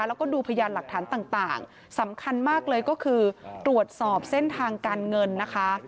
แล้วก็ดูพยานหลักฐานต่างสำคัญมากเลยก็คือตรวจสอบเส้นทางการเงินนะคะ